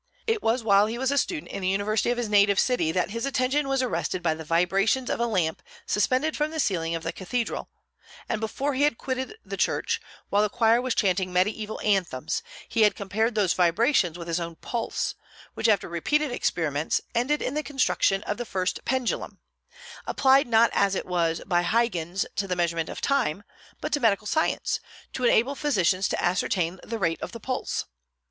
It was while he was a student in the university of his native city that his attention was arrested by the vibrations of a lamp suspended from the ceiling of the cathedral; and before he had quitted the church, while the choir was chanting mediaeval anthems, he had compared those vibrations with his own pulse, which after repeated experiments, ended in the construction of the first pendulum, applied not as it was by Huygens to the measurement of time, but to medical science, to enable physicians to ascertain the rate of the pulse.